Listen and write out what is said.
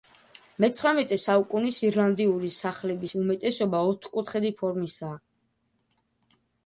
მეცხრამეტე საუკუნის ირლანდიური სახლების უმეტესობა ოთხკუთხედი ფორმისაა.